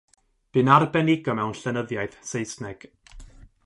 Bu'n arbenigo mewn llenyddiaeth Saesneg.